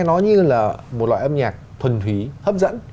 nó như là một loại âm nhạc thuần thúy hấp dẫn